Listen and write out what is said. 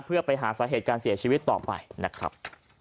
เพื่อไปหาสาเหตุการเสียชีวิตต่อไปนะครับ